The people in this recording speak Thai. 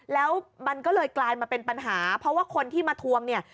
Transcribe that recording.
แล้วมันก็เลยกลายมาเป็นปัญหาเพราะว่าคนที่มาทวงเนี่ย